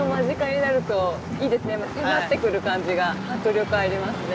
迫ってくる感じが迫力ありますね。